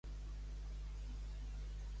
Ser senyora i majora.